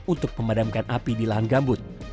untuk memadamkan api di lahan gambut